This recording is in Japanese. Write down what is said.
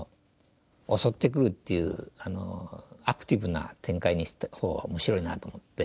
襲ってくるっていうアクティブな展開にしたほうが面白いなと思って。